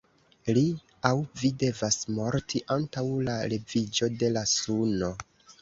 Li aŭ vi devas morti antaŭ la leviĝo de la suno.